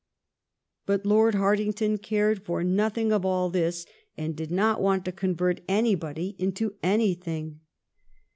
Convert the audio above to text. But Lord Hartington cared for nothing of all this, and did not want to convert anybody into anything.